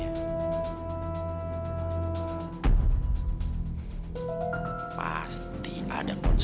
udah akang mau tau aja kalau akang tau ntar akang ikut ikutan lagi